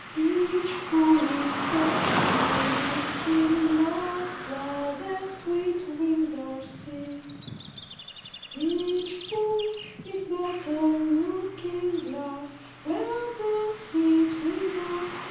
Each pool is but a looking glass, Where their sweet wings are seen. Each pool is but a looking glass, Where their sweet wings are seen.